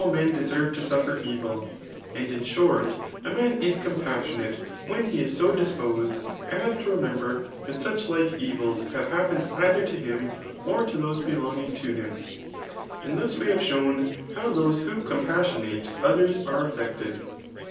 wm deserve to suffer eviL And in short, £a man is compas* siooate] when he is so disposed as to remember that such lake evils have happened either to him, oi to those bft» longing to him. Aiid thus we have shown how diose who compassionate others are affected.